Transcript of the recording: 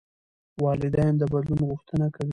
والدین د بدلون غوښتنه کوي.